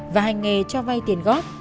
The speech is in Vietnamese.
và hành nghề cho vay tiền góp